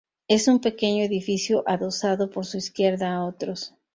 Es un pequeño edificio adosado por su izquierda a otros.